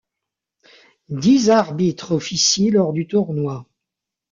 Dix arbitres officient lors du tournoi.